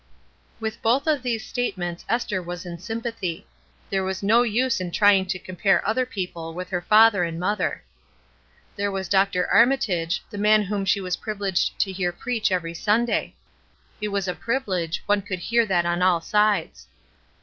With both of these statements Esther was in sympathy; there was no use in 108 ESTER RIEJb'S NAMESAKE trying to compare other people with her father and mother. There was Dr. Armitage, the man whom she was privileged to hear preach every Sunday. It was a privilege, one could hear that on all sides.